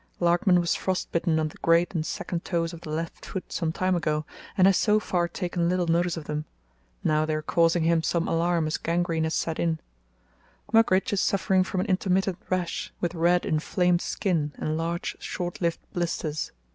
Larkman was frost bitten on the great and second toes of the left foot some time ago, and has so far taken little notice of them. Now they are causing him some alarm as gangrene has set in. Mugridge is suffering from an intermittent rash, with red, inflamed skin and large, short lived blisters.